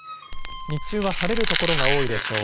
日中は晴れる所が多いでしょう。